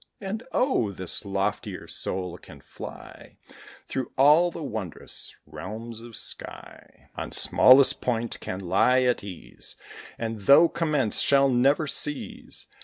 And, oh! this loftier soul can fly Through all the wondrous realms of sky: On smallest point can lie at ease; And though commenced shall never cease.